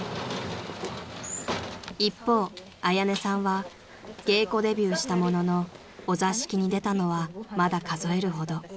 ［一方彩音さんは芸妓デビューしたもののお座敷に出たのはまだ数えるほど］